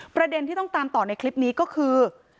ประเด็นที่ต้องตามต่อในคลิปนี้ก็คือ